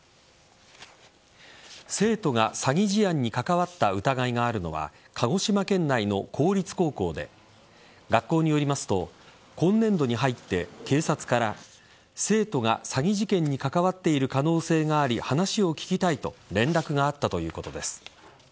生徒が、詐欺事案に関わった疑いがあるのは鹿児島県内の公立高校で学校によりますと今年度に入って、警察から生徒が、詐欺事件に関わっている可能性があり、話を聞きたいと連絡があったということです。